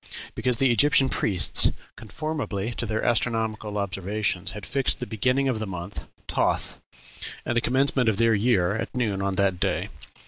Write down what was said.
because the Egyptian priests, conformably to their astronomical observations, had fixed the beginning of the month Toth, and the commencement of their year, at noon on that day.